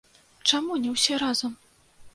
Чаму не ўсе разам?